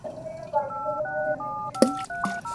وږې پيشي د زمري سره جنکېږي.